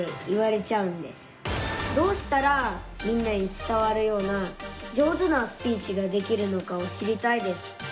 どうしたらみんなに伝わるような上手なスピーチができるのかを知りたいです。